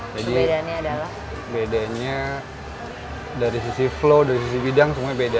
jadi bedanya dari sisi flow dari sisi bidang semuanya beda